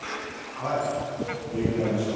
はい勉強になりました。